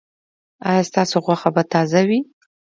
ایا ستاسو غوښه به تازه وي؟